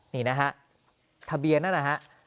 นี่นะฮะทะเบียนนะฮะ